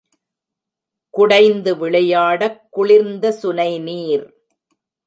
குடைந்து விளையாடக் குளிர்ந்த சுனைநீர்!